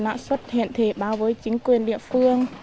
lã xuất hiện thể báo với chính quyền địa phương